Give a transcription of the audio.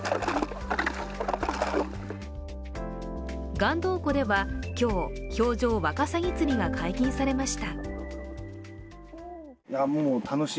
岩洞湖では、今日氷上ワカサギ釣りが解禁されました。